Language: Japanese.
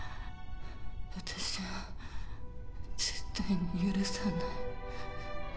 私は絶対に許さない